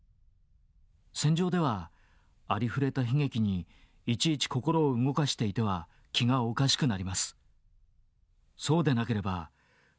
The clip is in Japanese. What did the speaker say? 戦場ではありふれた悲劇にいちいち心を動かしていては気がおかしくなります。